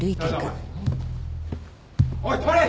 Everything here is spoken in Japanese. おい止まれ！